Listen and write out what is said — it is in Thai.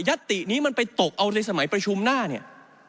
ัตตินี้มันไปตกเอาในสมัยประชุมหน้าเนี่ย